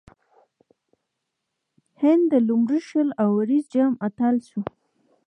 هند د لومړي شل اووريز جام اتل سو.